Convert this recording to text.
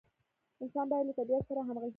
انسان باید له طبیعت سره همغږي شي.